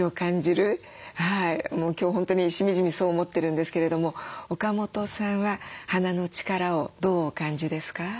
今日本当にしみじみそう思ってるんですけれども岡本さんは花の力をどうお感じですか？